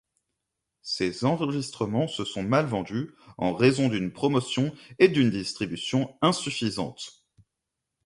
Ces enregistrements se sont mal vendus, en raison d'une promotion et d'une distribution insuffisantes.